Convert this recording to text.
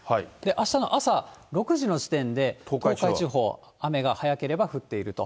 あしたの朝６時の時点で、東海地方、雨が早ければ降っていると。